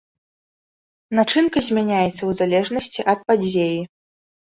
Начынка змяняецца ў залежнасці ад падзеі.